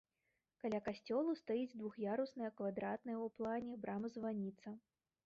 Каля касцёлу стаіць двух'ярусная квадратная ў плане брама-званіца.